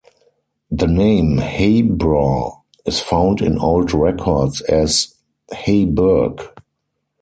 The name Habrough is found in old records as "Haburgh".